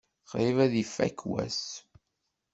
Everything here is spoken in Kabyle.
Qrib ad ifak wass.